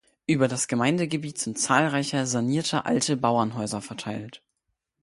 Über das Gemeindegebiet sind zahlreiche sanierte alte Bauernhäuser verteilt.